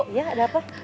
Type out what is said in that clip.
iya ada apa